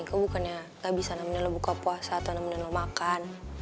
aku bukannya gak bisa nemenin buka puasa atau nemenin lo makan